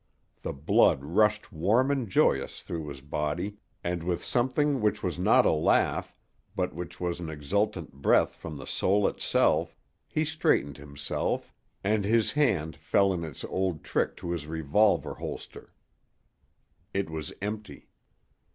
The blood rushed warm and joyous through his body, and with something which was not a laugh, but which was an exultant breath from the soul itself, he straightened himself, and his hand fell in its old trick to his revolver holster. It was empty.